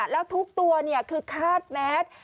แล้วทุกตัวคือคาดแมส